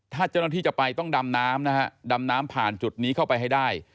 ถ้าเจ้าหน้าที่จะไปต้องดำน้ำนะฮะดำน้ำผ่านจุดนี้เข้าไปให้ได้